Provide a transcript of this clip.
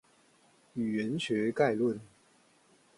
語言學概論